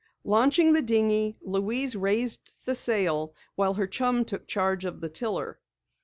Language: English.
Launching the dinghy, Louise raised the sail while her chum took charge of the tiller.